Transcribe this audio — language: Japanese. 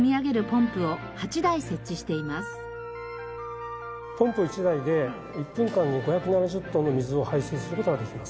ポンプ１台で１分間に５７０トンの水を排出する事ができます。